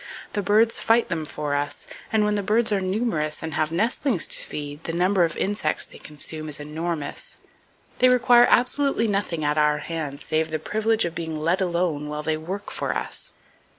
The birds fight them for us, and when the birds are numerous and have nestlings to feed, the number of insects they consume is enormous. They require absolutely nothing at our hands save the privilege of being let alone while they work for us!